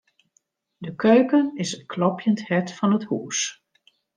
De keuken is it klopjend hert fan it hús.